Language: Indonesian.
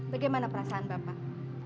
bagaimana perasaan bapak